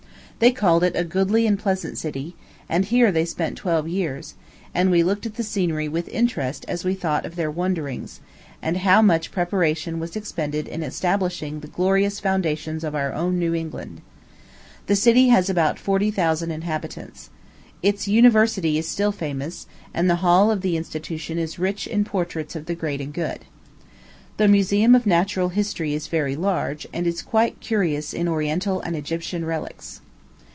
They called it a "goodly and pleasant city," and here they spent twelve years; and we looked at the scenery with interest as we thought of their wanderings, and how much preparation was expended in establishing the glorious foundations of our own New England. The city has about forty thousand inhabitants. Its University is still famous, and the hall of the institution is rich in portraits of the great and good. The Museum of Natural History is very large, and is quite curious in Oriental and Egyptian relics.